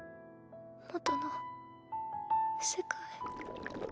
元の世界。